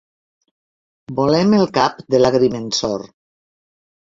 Volem el cap de l'agrimensor.